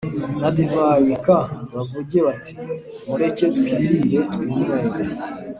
na divayi k bavuge bati mureke twirire twinywere